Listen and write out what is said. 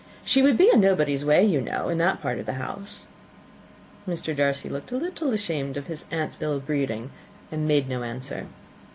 She would be in nobody's way, you know, in that part of the house." Mr. Darcy looked a little ashamed of his aunt's ill breeding, and made no answer.